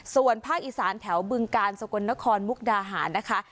ส่วนภาคอีสานแถวบึงกาลสกลนครมุกดาหารนะคะ